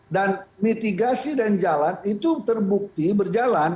dan mitigasi dan jalan itu terbukti berjalan